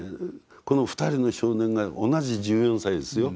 この２人の少年が同じ１４歳ですよ。